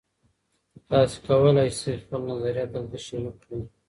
تاسي کولای شئ خپل نظریات دلته شریک کړئ.